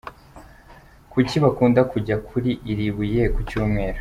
Kuki bakunda kujya kuri iri buye ku Cyumweru .